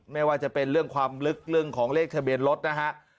ไม่ว่าจะเป็นเรื่องความลึกเรื่องของเลขทะเบียนรถนะฮะ